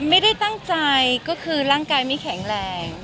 ไม่ได้ตั้งใจก็คือร่างกายไม่แข็งแรง